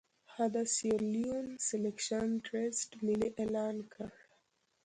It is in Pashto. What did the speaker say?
هغه د سیریلیون سیلکشن ټرست ملي اعلان کړ.